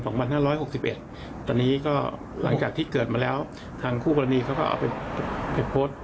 ตอนนี้ก็หลังจากที่เกิดมาแล้วทางคู่กรณีเขาก็เอาไปโพสต์